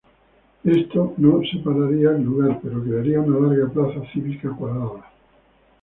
Esto no separaría el lugar, pero crearía una larga plaza cívica cuadrada.